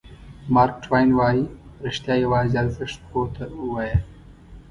مارک ټواین وایي رښتیا یوازې ارزښت پوه ته ووایه.